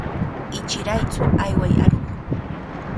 Ichiraytsu, ayway aruq.